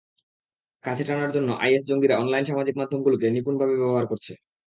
কাছে টানার জন্য আইএসের জঙ্গিরা অনলাইন সামাজিক মাধ্যমগুলোকে নিপুণভাবে ব্যবহার করছে।